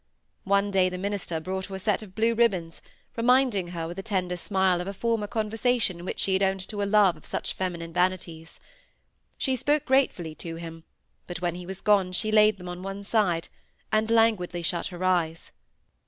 One day the minister brought her a set of blue ribbons, reminding her with a tender smile of a former conversation in which she had owned to a love of such feminine vanities. She spoke gratefully to him, but when he was gone she laid them on one side, and languidly shut her eyes.